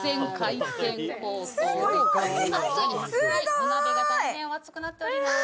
お鍋が大変お熱くなっております。